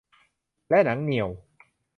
และหนังเหนี่ยว